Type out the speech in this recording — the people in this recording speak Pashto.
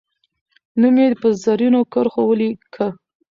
نوم یې په زرینو کرښو ولیکه.